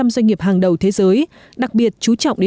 năm trăm linh doanh nghiệp hàng đầu thế giới